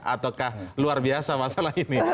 ataukah luar biasa masalah ini